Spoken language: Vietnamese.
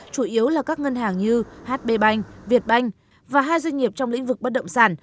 chủ yếu là các ngân hàng như hb bank việt bank và hai doanh nghiệp trong lĩnh vực bất động sản